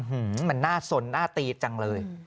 อื้อหือมันหน้าสนหน้าตีดจังเลย